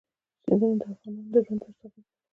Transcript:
سیندونه د افغانانو د ژوند طرز اغېزمنوي.